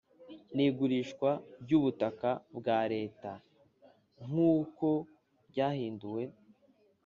n igurishwa by ubutaka bwa Leta nk uko ryahinduwe